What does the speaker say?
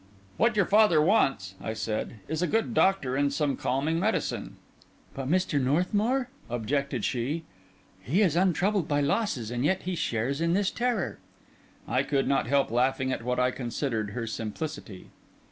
"What your father wants," I said, "is a good doctor and some calming medicine." "But Mr. Northmour?" objected your mother. "He is untroubled by losses, and yet he shares in this terror." I could not help laughing at what I considered her simplicity.